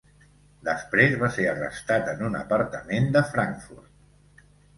Després va ser arrestat en un apartament de Frankfurt.